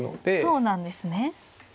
そうなんですね。